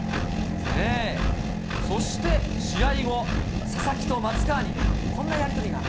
そして試合後、佐々木と松川に、こんなやり取りが。